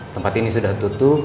tempat ini sudah tutup